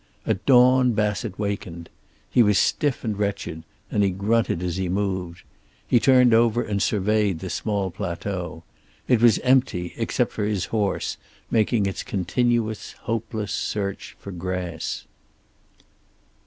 At dawn Bassett wakened. He was stiff and wretched, and he grunted as he moved. He turned over and surveyed the small plateau. It was empty, except for his horse, making its continuous, hopeless search for grass.